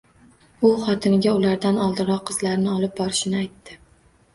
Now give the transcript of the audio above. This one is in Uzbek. U xotiniga ulardan oldinroq qizlarini olib borishini aytdi